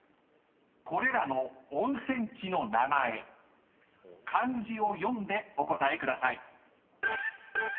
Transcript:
［これらの温泉地の名前漢字を読んでお答えください］